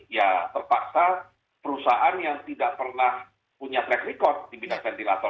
ya terpaksa perusahaan yang tidak pernah punya track record di bidang ventilator